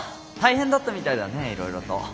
大変だったみたいだねいろいろと。